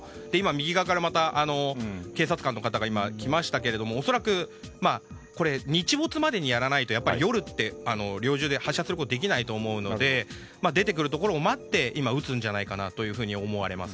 右側から警察官の方が今、来ましたけれども恐らく、日没までにやらないと夜って猟銃を発射することができないと思うので出てくるところを待って撃つんじゃないかなと思われます。